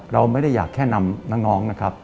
เราไม่ได้อยากแค่นำน้องนะครับ